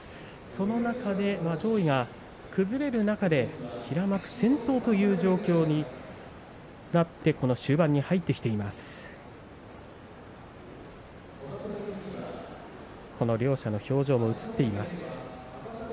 その中で上位が崩れる中で平幕先頭という状況になって終盤に入ってきています。両者の表情が映っています。